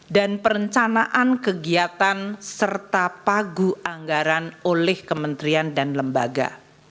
dan perencanaan kegiatan serta pagu anggaran oleh kementerian dan lembaga